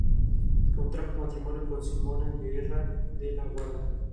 Come algas, crustáceos pequeños y larvas de insectos acuáticos.